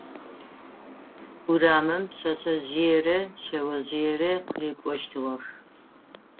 Урамым пшъэшъэжъыерэ шъэожъыерэ къырыкӀощтыгъэх.